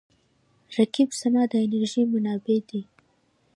رقیب زما د انرژۍ منبع دی